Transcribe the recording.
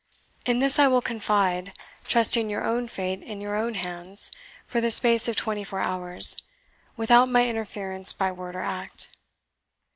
In this I will confide, trusting your own fate in your own hands for the space of twenty four hours, without my interference by word or act."